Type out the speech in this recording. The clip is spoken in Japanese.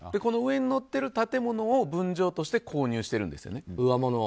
上に乗っている建物を分譲として購入してるんですよね。